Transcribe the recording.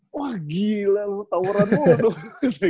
wah gila lo tauran mulu